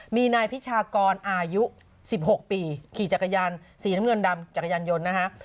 มีนายพิชากรอายุ๑๖ปีขี่จักรยานสีน้ำเงินดำจักรยานยนต์นะฮะ